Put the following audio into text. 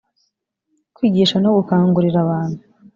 Kwigisha no gukangurira abantu